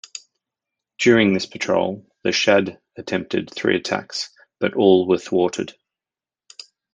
During this patrol, the "Shad" attempted three attacks but all were thwarted.